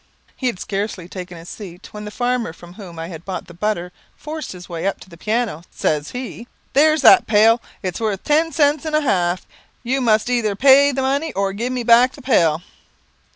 He had scarcely taken his seat, when the farmer from whom I had bought the butter forced his way up to the piano. Says he, "There's that pail; it is worth ten cents and a half. You must either pay the money, or give me back the pail.